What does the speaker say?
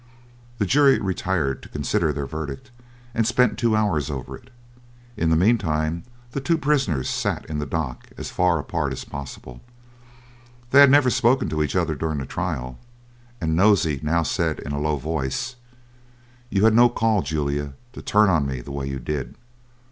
The jury retired to consider their verdict, and spent two hours over it. In the meantime the two prisoners sat in the dock as far apart as possible. They had never spoken to each other during the trial, and Nosey now said in a low voice: "You had no call, Julia, to turn on me the way you did.